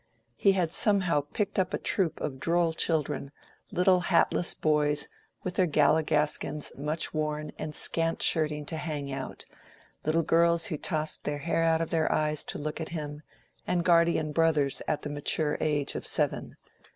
He had somehow picked up a troop of droll children, little hatless boys with their galligaskins much worn and scant shirting to hang out, little girls who tossed their hair out of their eyes to look at him, and guardian brothers at the mature age of seven.